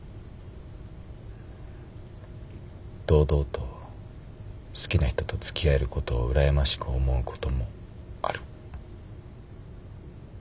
堂々と好きな人とつきあえることを羨ましく思うこともある。